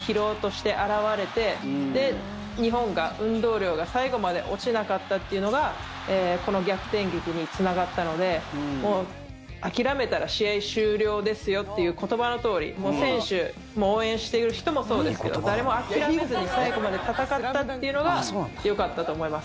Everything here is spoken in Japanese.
そういったのが第４クオーターに相手の疲労として表れて日本が、運動量が最後まで落ちなかったっていうのがこの逆転劇につながったので諦めたら試合終了ですよっていう言葉のとおりもう選手も応援している人もそうですけども誰も諦めずに最後まで戦ったっていうのがよかったと思います。